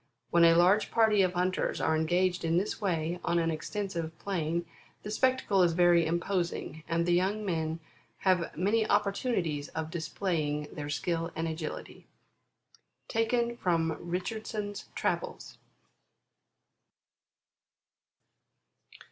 When a large party of hunters are engaged in this way on an extensive plain, the spectacle is very imposing, and the young men have many opportunities of displaying their skill and agility." Richardson's Travels.